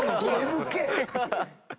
ＭＫ？